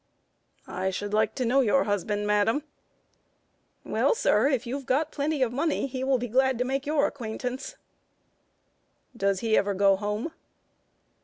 "I should like to know your husband, madam." "Well, sir; if you've got plenty of money, he will be glad to make your acquaintance." "Does he ever go home?"